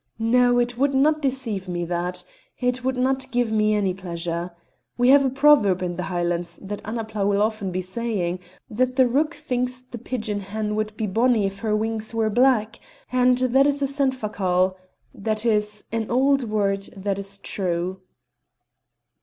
No; it would not deceive me, that; it would not give me any pleasure. We have a proverb in the Highlands, that Annapla will often be saying, that the rook thinks the pigeon hen would be bonny if her wings were black; and that is a seanfhacal that is an old word that is true."